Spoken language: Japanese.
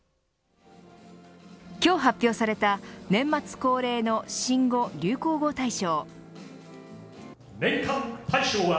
今日発表された年末恒例の新語・流行語大賞。